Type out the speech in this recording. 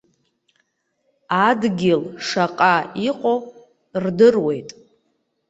Адгьыл шаҟа ыҟоу рдыруеит.